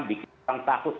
bikin orang takut